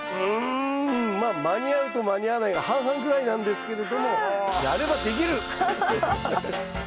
まあ間に合うと間に合わないが半々ぐらいなんですけれどもハハハハッ。